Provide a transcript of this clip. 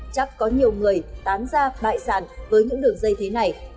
chắc có nhiều người tán ra bại sản với những đường dây thế này